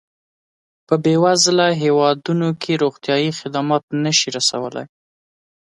په بېوزله هېوادونو کې روغتیایي خدمات نه شي رسولای.